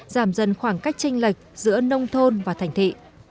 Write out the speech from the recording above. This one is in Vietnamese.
giảm dần khoảng cách tranh lệch giữa nông thôn và thành thị